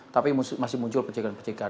tapi masih muncul percikan percikan